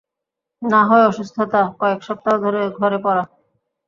নাহয় অসুস্থতা, কয়েক সপ্তাহ ধরে ঘরে পড়া?